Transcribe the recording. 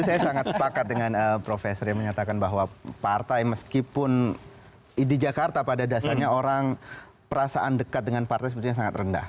saya sangat sepakat dengan profesor yang menyatakan bahwa partai meskipun di jakarta pada dasarnya orang perasaan dekat dengan partai sebetulnya sangat rendah